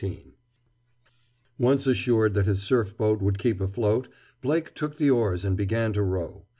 XIV Once assured that his surf boat would keep afloat, Blake took the oars and began to row.